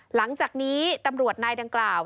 หลังจากนี้ตำรวจนายดังกล่าว